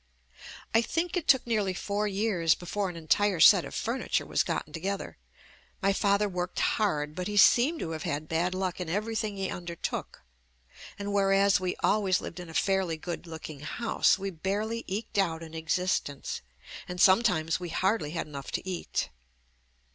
I think it took nearly four years before an entire set of fur niture was gotten together. My father worked hard, but he seemed to have bad luck in every thing he undertook; and whereas we always lived in a fairly good looking house, we barely eked out an existence, and sometimes we hardly had enough to eat.